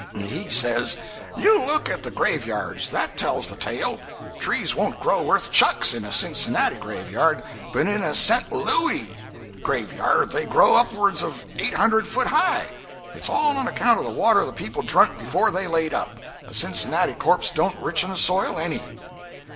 He says 'You look at the graveyards; that tells the tale. Trees won't grow worth chucks in a Cincinnati graveyard, but in a Sent Louis graveyard they grow upwards of eight hundred foot high. It's all on account of the water the people drunk before they laid up. A Cincinnati corpse don't richen a soil any.'